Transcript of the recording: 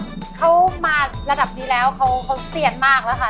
เขามาระดับนี้แล้วเขาเซียนมากแล้วค่ะ